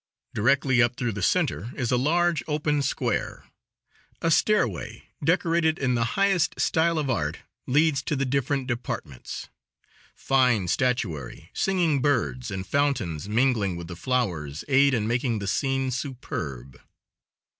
Directly up through the center is a large, open square; a stairway, decorated in the highest style of art, leads to the different departments. Fine statuary, singing birds and fountains mingling with the flowers aid in making the scene superb.